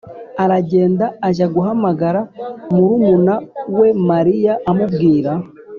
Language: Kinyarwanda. aragenda ajya guhamagara murumuna we Mariya amubwira